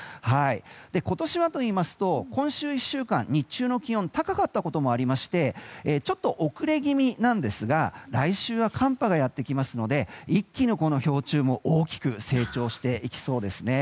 今年はといいますと今週１週間日中の気温が高かったこともありましてちょっと遅れ気味なんですが来週は寒波がやってきますので一気にこの氷柱も大きく成長していきそうですね。